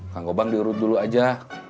kang gobang diurut dulu aja